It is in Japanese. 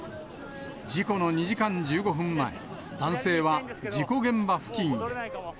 事故の２時間１５分前、男性は事故現場付近へ。